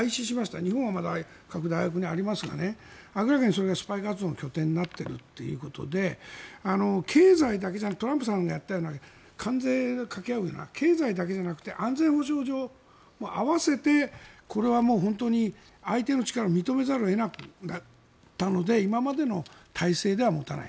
日本はまだ各大学にありますが明らかにそれがスパイ活動の拠点になっているということで経済だけじゃなくてトランプさんがやったような関税をかけ合うような経済だけじゃなくて安全保障上も併せてこれは本当に相手の力を認めざるを得なくなったので今までの体制では持たない。